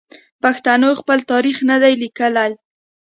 پښتنو خپل تاریخ نه دی لیکلی.